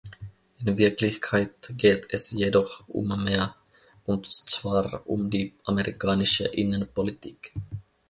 In Wirklichkeit geht es jedoch um mehr, und zwar um die amerikanische Innenpolitik.